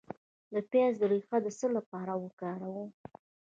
د پیاز ریښه د څه لپاره وکاروم؟